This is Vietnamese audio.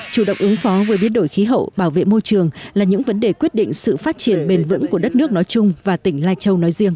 chủ động ứng phó với biến đổi khí hậu bảo vệ môi trường là những vấn đề quyết định sự phát triển bền vững của đất nước nói chung và tỉnh lai châu nói riêng